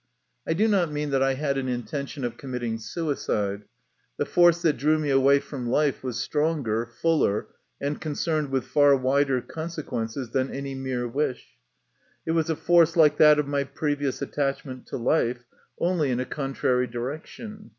I do not mean that I had an intention of committing suicide. The force that drew me away from life was stronger, fuller, and concerned with far wider consequences than any mere wish ; it was a force like that of my previous attachment to life, only in a contrary direction.